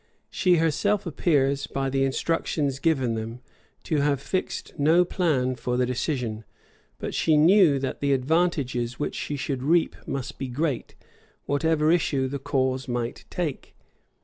[*] She herself appears, by the instructions given them, to have fixed no plan for the decision; but she knew that the advantages which she should reap must be great, whatever issue the cause might take.